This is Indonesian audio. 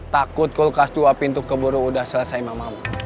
takut kulkas dua pintu keburu udah selesai mama